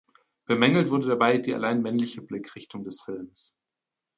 Bemängelt wurde dabei die allein männliche Blickrichtung des Films.